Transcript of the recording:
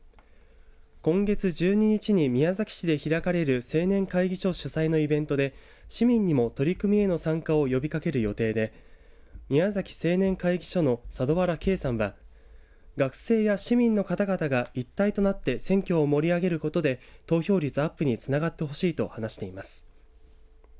今月１２日に宮崎市で開かれる青年会議所主催のイベントで市民にも取り組みへの参加を呼びかける予定で宮崎青年会議所の佐土原慶さんは学生や市民の方々が一体となって選挙を盛り上げることで投票率アップにつながってほしいと話しています。